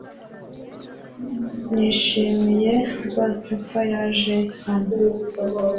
Nishimiye rwose ko naje hano